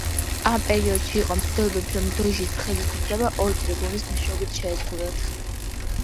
ამ პერიოდში იყო მცდელობები, რომ დოჟის ხელისუფლება ორი ტრიბუნის მეშვეობით შეეზღუდათ.